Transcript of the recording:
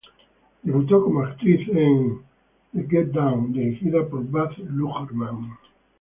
Debutó como actriz en "The Get Down" dirigida por Baz Luhrmann.